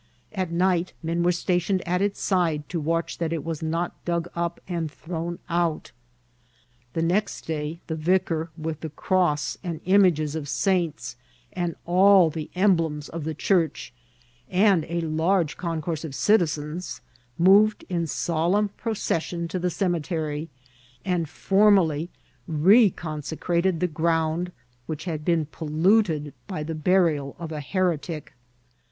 At night men were stationed at its side to watch that it was not dug up and thrown out. The next day the vicar, with the cross and images of saints, and all the emblems of the church, and a large concourse of citizens, moved in solemn procession to the cemetery, and formally recon secrated the ground which had been polluted by the burial of a heretic.